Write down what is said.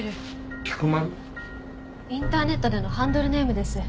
インターネットでのハンドルネームです。